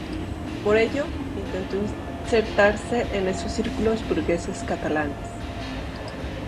Por ello, intentó insertarse en esos círculos burgueses catalanes.